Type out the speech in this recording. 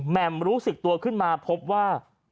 แม่มรู้สึกตัวขึ้นมาพบว่า